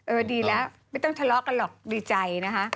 ดีแล้วไม่ต้องทะเลาะกันหรอกดีใจนะคะ